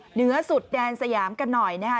เหนือสุดแดนสยามกันหน่อยนะคะ